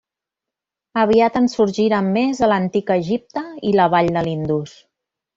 Aviat en sorgiren més a l'antic Egipte i la vall de l'Indus.